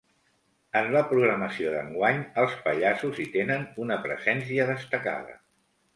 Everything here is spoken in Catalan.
En la programació d’enguany, els pallassos hi tenen una presència destacada.